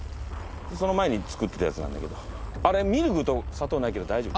その前に作ってたやつなんだけどミルクと砂糖ないけど大丈夫？